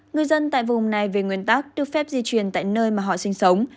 người dân tại vùng này về nguyên tắc được phép di chuyển tại nơi mà họ sinh sống